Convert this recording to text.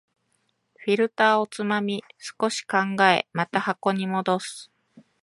フィルターをつまみ、少し考え、また箱に戻す